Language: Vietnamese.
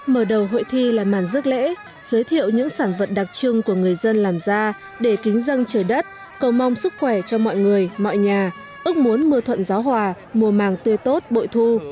mở đầu hội thi là màn rước lễ giới thiệu những sản vật đặc trưng của người dân làm ra để kính dân trời đất cầu mong sức khỏe cho mọi người mọi nhà ước muốn mưa thuận gió hòa mùa màng tươi tốt bội thu